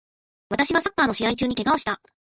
私はサッカーの試合中に怪我をした